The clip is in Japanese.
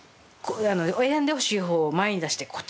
選んでほしいほうを前に出してこっち